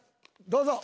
どうぞ。